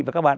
và các bạn